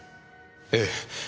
ええ。